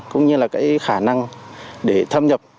cũng như là cái khả năng để thâm nhập